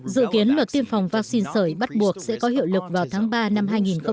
dự kiến luật tiêm phòng vaccine sợi bắt buộc sẽ có hiệu lực vào tháng ba năm hai nghìn hai mươi